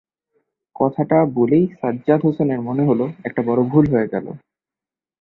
কথাটা বলেই সাজ্জাদ হোসেনের মনে হলো, একটা বড় ভুল হয়ে গেল।